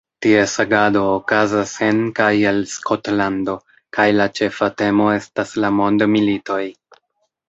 Ties agado okazas en kaj el Skotlando kaj la ĉefa temo estas la mondmilitoj.